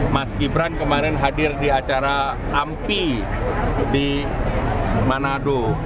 mas gibran kemarin hadir di acara ampi di manado